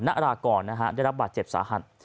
นารากรได้รับบาดเจ็บสาหัส